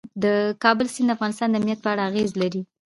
د کابل سیند د افغانستان د امنیت په اړه اغېز لري.